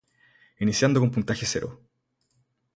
Iniciando con puntaje cero.